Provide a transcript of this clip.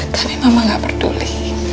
tapi mama gak peduli